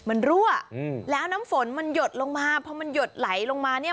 มันรั่วอืมแล้วน้ำฝนมันหยดลงมาพอมันหยดไหลลงมาเนี่ย